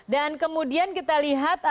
dan kemudian kita lihat